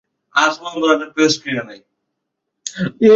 ছবিটির কাহিনীকার ও পরিচালনা করেছেন মনসুর খান।